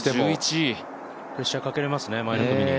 プレッシャーかけられますね、前の組に。